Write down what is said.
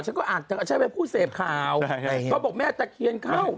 ฉันก็อาจจะเป็นผู้เสพข่าวเขาบอกแม่ตะเคียนเข้า